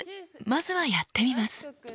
まずはやってみます。